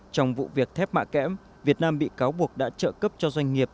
trong vụ việc thép mạ kém việt nam bị cáo buộc đã trợ cấp cho doanh nghiệp